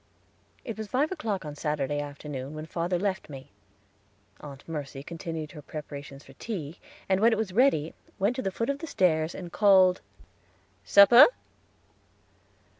It was five o'clock on Saturday afternoon when father left me. Aunt Mercy continued her preparations for tea, and when it was ready, went to the foot of the stairs, and called, "Supper."